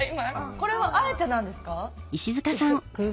これはあえてなんですか？